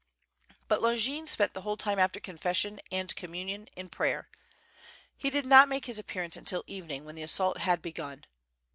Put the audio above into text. But Longin spent the whole time after confession and communion^ in prayer. He did not make his appearance until evening, when the assault had begun.